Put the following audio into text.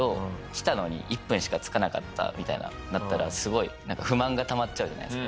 来たのに１分しかつかなかったみたいななったらすごい不満がたまっちゃうじゃないですか。